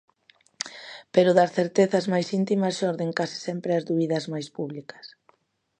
Pero das certezas máis íntimas xorden case sempre as dúbidas máis públicas.